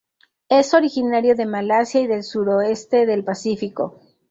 Es originario de Malasia y del suroeste del Pacífico.